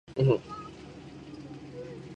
Prácticamente no se une a las proteínas plasmáticas.